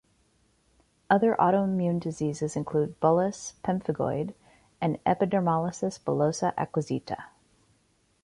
Other autoimmune diseases include bullous pemphigoid and epidermolysis bullosa acquisita.